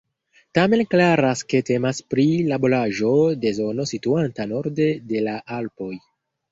Tamen klaras ke temas pri laboraĵo de zono situanta norde de la Alpoj.